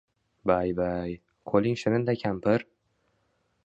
Bay-bay, qo`ling shirinda kampir